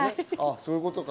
そういうことか。